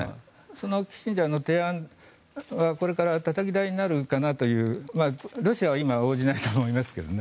そのキッシンジャーの提案はこれからたたき台になるかなというロシアは今、応じないと思いますけどね。